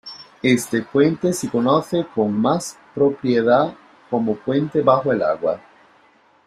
Este puente se conoce con más propiedad como puente bajo el agua.